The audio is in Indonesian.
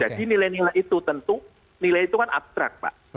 jadi nilai nilai itu tentu nilai itu kan abstrak pak